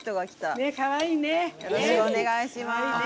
よろしくお願いします。